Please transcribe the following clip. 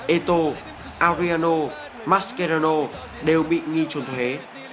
eto adriano mascherano đều bị nghi trốn thuế